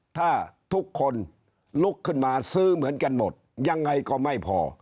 ถ้าทุกคนลุกขึ้นมาซื้อเหมือนกันหมดยังไงก็ไม่พอ